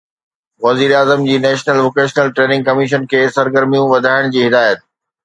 وزيراعظم جي national vocational training commission کي سرگرميون وڌائڻ جي هدايت